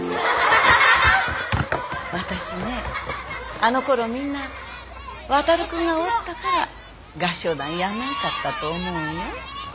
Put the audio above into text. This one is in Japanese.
私ねあのころみんな航君がおったから合唱団やめんかったと思うんよ。